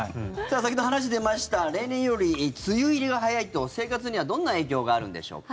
先ほど話が出ました例年より梅雨入りが早いと生活にはどんな影響があるんでしょうか。